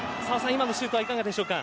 今のシュートはいかがでしょうか。